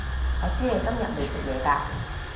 我知你今日未食嘢㗎